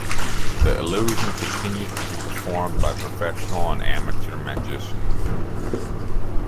The illusion continues to be performed by professional and amateur magicians.